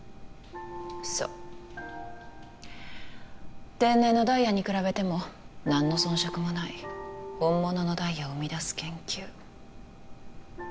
そう天然のダイヤに比べても何の遜色もない本物のダイヤを生み出す研究